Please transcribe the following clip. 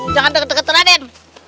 jangan deket deket raden